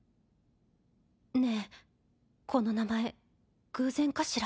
ねえこの名前偶然かしら？